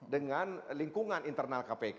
dengan lingkungan internal kpk